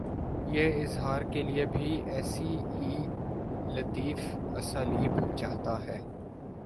یہ اظہار کے لیے بھی ایسے ہی لطیف اسالیب چاہتا ہے۔